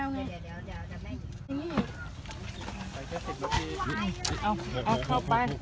สวัสดีครับคุณพลาด